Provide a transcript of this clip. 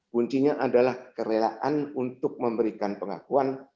kuncinya adalah kerelaan untuk memberikan pengakuan